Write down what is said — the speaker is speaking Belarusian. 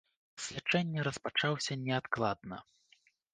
Курс лячэння распачаўся неадкладна.